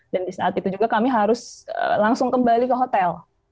dan di saat itu juga kami harus langsung kembali ke hotel